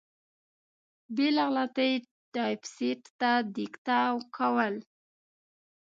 بې له غلطۍ یې ټایپېسټ ته دیکته کول.